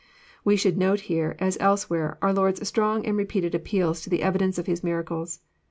We should note here, as elsewhere, our Lord's strong and repeated appeals to the evidence of His miracles.